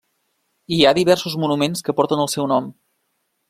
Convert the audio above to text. Hi ha diversos monuments que porten el seu nom.